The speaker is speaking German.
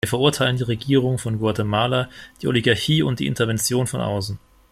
Wir verurteilen die Regierung von Guatemala, die Oligarchie und die Intervention von außen.